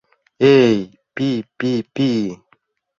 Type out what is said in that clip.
Эй, пи-пи-пи!